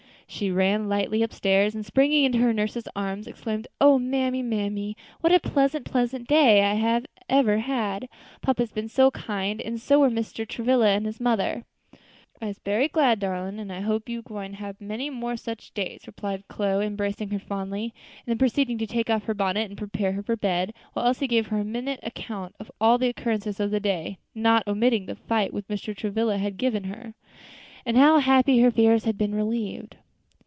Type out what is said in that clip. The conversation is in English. She ran lightly up stairs, and springing into her nurse's arms, exclaimed, "O mammy, mammy! what a pleasant, pleasant day I have had! Papa has been so kind, and so were Mr. Travilla and his mother." "I'se berry glad, darlin', an' I hope you gwine hab many more such days," replied Chloe, embracing her fondly and then proceeding to take off her bonnet and prepare her for bed, while Elsie gave her a minute account of all the occurrences of the day, not omitting the fright Mr. Travilla had given her, and how happily her fears had been relieved.